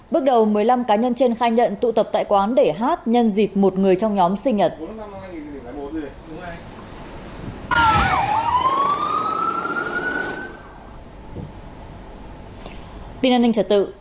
bước đầu một mươi năm cá nhân trên khai nhận tụ tập tại quán để hát nhân dịp một người trong nhóm sinh nhật